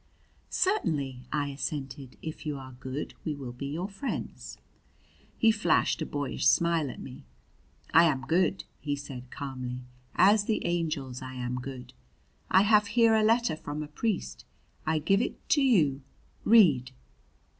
"Certainly," I assented. "If you are good we will be your friends." He flashed a boyish smile at me. "I am good," he said calmly "as the angels I am good. I have here a letter from a priest. I give it to you. Read!"